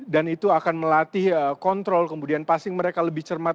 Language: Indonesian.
dan itu akan melatih kontrol kemudian passing mereka lebih cermat